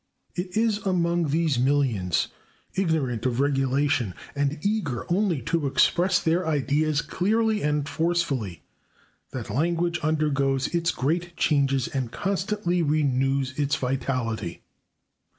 It is among these millions, ignorant of regulation and eager only to express their ideas clearly and forcefully, that language undergoes its great changes and constantly renews its vitality.